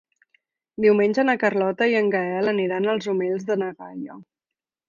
Diumenge na Carlota i en Gaël aniran als Omells de na Gaia.